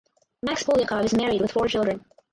Max Polyakov is married with four children.